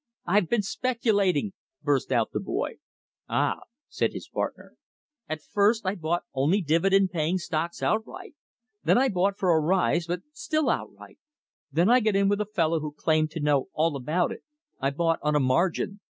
"I've been speculating!" burst out the boy. "Ah!" said his partner. "At first I bought only dividend paying stocks outright. Then I bought for a rise, but still outright. Then I got in with a fellow who claimed to know all about it. I bought on a margin.